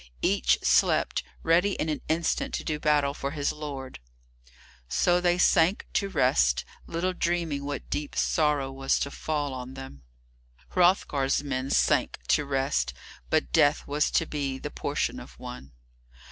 Each slept, ready in an instant to do battle for his lord. So they sank to rest, little dreaming what deep sorrow was to fall on them. Hrothgar's men sank to rest, but death was to be the portion of one.